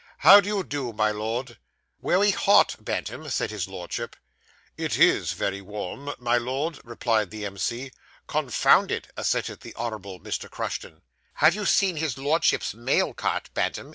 How do you do, my Lord?' 'Veway hot, Bantam,' said his Lordship. 'It is very warm, my Lord,' replied the M.C. 'Confounded,' assented the Honourable Mr. Crushton. 'Have you seen his Lordship's mail cart, Bantam?